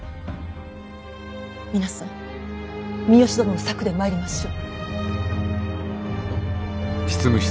皆さん三善殿の策でまいりましょう。